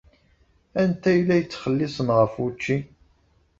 Anta ay la yettxelliṣen ɣef wučči?